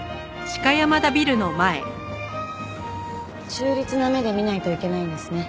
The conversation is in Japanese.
中立な目で見ないといけないんですね。